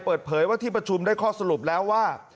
เปิดเผยว่าที่ประชุมได้ข้อสรุปแล้วว่า